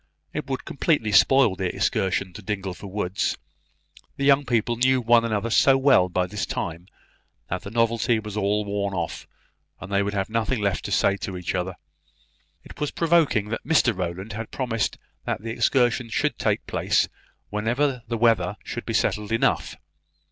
It would completely spoil the excursion to Dingleford woods. The young people knew one another so well by this time, that the novelty was all worn off, and they would have nothing left to say to each other. It was provoking that Mr Rowland had promised that the excursion should take place whenever the weather should be settled enough.